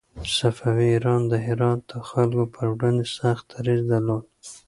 صفوي ایران د هرات د خلکو پر وړاندې سخت دريځ درلود.